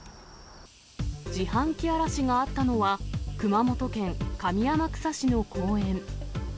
自販機荒らしがあったのは、熊本県上天草市の公園。